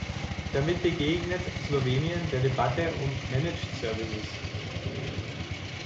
Damit begegnet Slowenien der Debatte um Managed Services.